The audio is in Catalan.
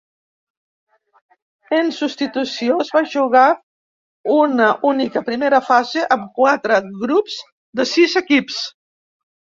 En substitució es va jugar una única primera fase amb quatre grups de sis equips.